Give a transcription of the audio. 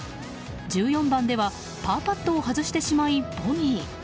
１４番ではパーパットを外してしまいボギー。